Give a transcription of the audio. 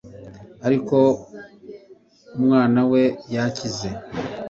Ariko umwanawe yakize